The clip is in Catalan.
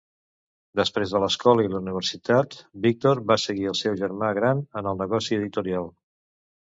Després de l'escola i la universitat, Victor va seguir el seu germà gran en el negoci editorial.